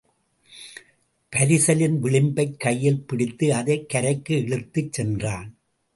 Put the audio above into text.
பரிசலின் விளிம்பைக் கையில் பிடித்து அதைக் கரைக்கு இழுத்துச் சென்றான்.